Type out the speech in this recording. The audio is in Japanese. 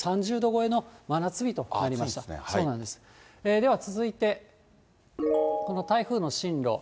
では続いて、この台風の進路。